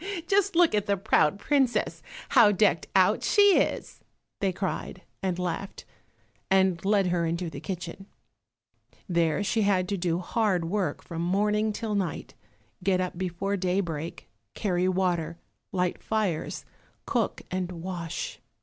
"Just look at the proud princess, how decked out she is!" they cried, and laughed, and led her into the kitchen. There she had to do hard work from morning till night, get up before daybreak, carry water, light fires, cook and wash.